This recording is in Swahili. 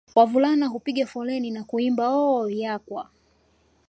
Wavulana hupiga foleni na kuimba Oooooh yakwa